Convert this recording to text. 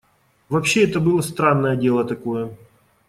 Вообще это было странное дело такое.